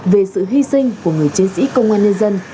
về sự hy sinh của người chiến sĩ công an nhân dân